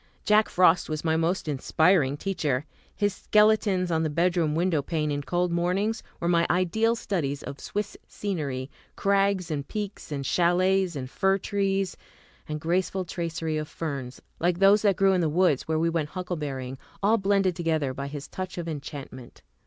Jack Frost was my most inspiring teacher. His sketches on the bedroom window pane in cold mornings were my ideal studies of Swiss scenery, crags and peaks and chalets and fir trees, and graceful tracery of ferns, like those that grew in the woods where we went huckleberrying, all blended together by his touch of enchantment.